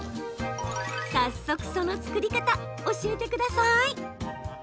早速、その作り方教えてください。